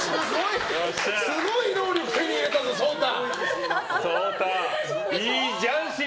すごい能力手に入れたぞ、蒼太！